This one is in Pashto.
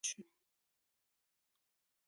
د پاکې مینې اظهار سخت شو.